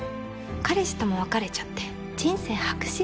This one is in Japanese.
彼氏とも別れちゃって人生白紙。